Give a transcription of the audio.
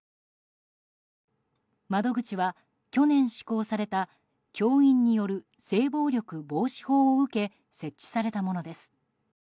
窓口は去年施行された教員による性暴力防止法を受け設置されたものです。